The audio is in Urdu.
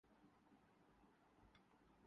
ثانیہ مرزا اور اظہر محمود کے درمیان دلچسپ نوک جھونک